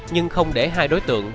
nhưng không để hai đối tượng